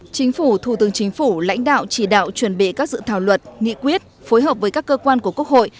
chính phủ thủ tướng chính phủ lãnh đạo chỉ đạo chuẩn bị các dự thảo luật nghị quyết phối hợp với các cơ quan của quốc hội